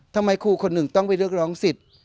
ทำไมครูคนหนึ่งต้องไปเรียกร้องสิทธิ์